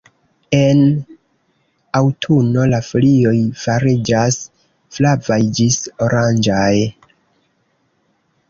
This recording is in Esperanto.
En aŭtuno la folioj fariĝas flavaj ĝis oranĝaj.